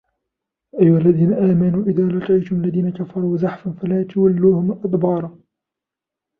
يا أيها الذين آمنوا إذا لقيتم الذين كفروا زحفا فلا تولوهم الأدبار